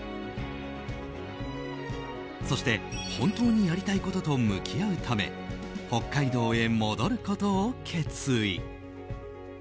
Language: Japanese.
そして、本当にやりたいことと向き合うため北海道へ戻ることを決意。